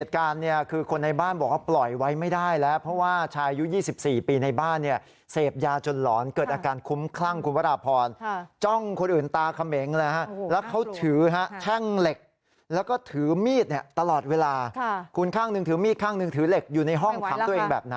เหตุการณ์คือคนในบ้านบอกว่าปล่อยไว้ไม่ได้แล้ว